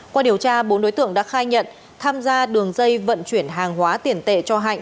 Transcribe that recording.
qua điều tra bốn đối tượng đã khai nhận tham gia đường dây vận chuyển hàng hóa tiền tệ cho hạnh